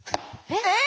えっ！